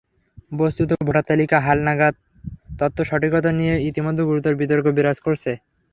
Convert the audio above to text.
বস্তুত, ভোটার তালিকার হালনাগাদ, তথা সঠিকতা নিয়ে ইতিমধ্যে গুরুতর বিতর্ক বিরাজ করছে।